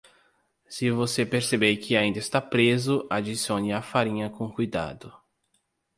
Se você perceber que ainda está preso, adicione a farinha com cuidado.